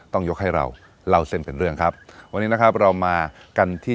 ต้องยกให้เราเล่าเส้นเป็นเรื่องครับวันนี้นะครับเรามากันที่